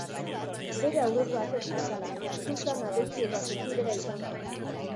Bere aurrekoak ez bezala, sultan adeitsu eta sentibera izan zen.